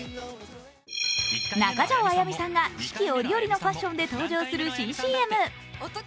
中条あやみさんが四季折々のファッションで登場する新ＣＭ。